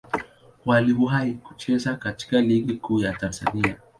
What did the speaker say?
Waliwahi kucheza katika Ligi Kuu ya Tanzania.